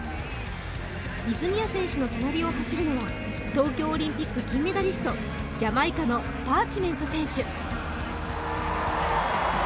泉谷選手の隣を走るのは東京オリンピック金メダリストジャマイカのパーチメント選手。